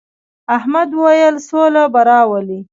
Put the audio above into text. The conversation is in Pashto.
احمد وويل: سوله به راولې.